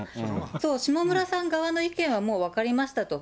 そう、下村さん側の意見はもう分かりましたと。